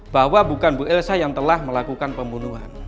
bahwa bukan bu elsa yang telah melakukan pembunuhan